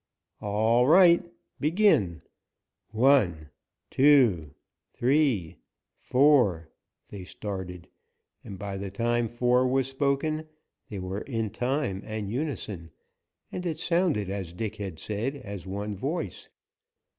"All right, begin: One, two, three, four," they started, and by the time four was spoken they were in time and unison, and it sounded as Dick had said, as one voice.